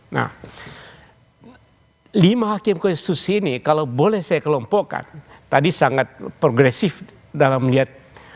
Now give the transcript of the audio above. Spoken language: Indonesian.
nah lima hakim konstitusi ini kalau boleh saya kelompokkan tadi sangat progresif dalam melihat